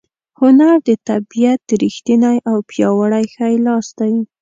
هنر د طبیعت ریښتینی او پیاوړی ښی لاس دی.